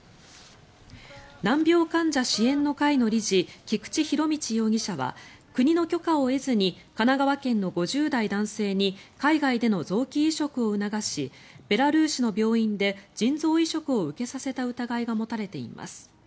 難病患者支援の会の理事菊池仁達容疑者は国の許可を得ずに神奈川県の５０代男性に海外での臓器移植を促しベラルーシの病院で腎臓移植を受けさせた疑いが持たれています。